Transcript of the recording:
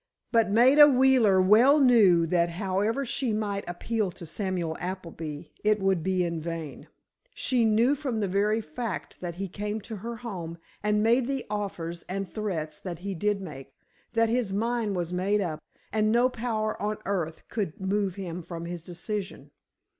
But Maida Wheeler well knew that however she might appeal to Samuel Appleby, it would be in vain. She knew from the very fact that he came to her home, and made the offers and threats that he did make, that his mind was made up, and no power on earth could move him from his decision.